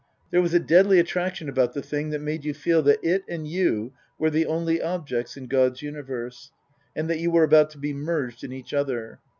There was a deadly attraction about the thing that made you feel that it and you were the only objects in God's universe, and that you were about to be merged in each other.